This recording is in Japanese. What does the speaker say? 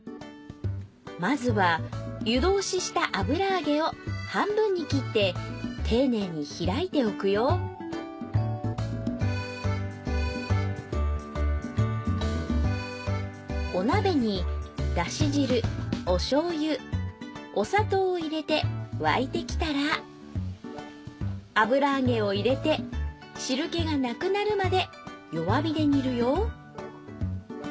まずは湯通しした油あげを半分に切って丁寧に開いておくよお鍋にだし汁お醤油お砂糖を入れて沸いてきたら油あげを入れて汁気がなくなるまで弱火で煮るよ。